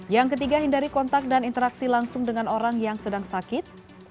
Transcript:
yang ketiga hindari kontak dan interaksi langsung dengan orang yang sedang sakit